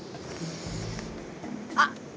あっ！